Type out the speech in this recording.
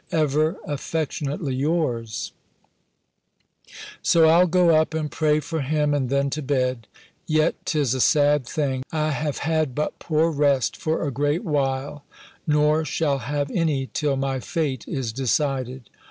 Ever affectionately yours." So I'll go up and pray for him, and then to bed. Yet 'tis a sad thing! I have had but poor rest for a great while; nor shall have any till my fate is decided.